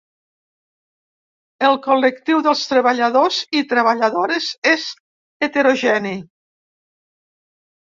El col·lectiu dels treballadors i treballadores és heterogeni.